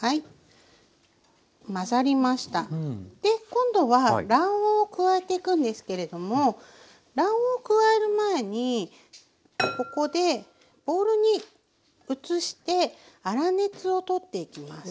今度は卵黄加えていくんですけれども卵黄加える前にここでボウルに移して粗熱を取っていきます。